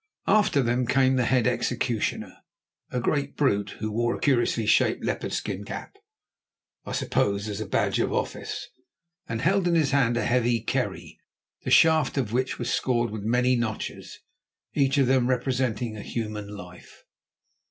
After them came the head executioner, a great brute who wore a curiously shaped leopard skin cap—I suppose as a badge of office—and held in his hand a heavy kerry, the shaft of which was scored with many notches, each of them representing a human life.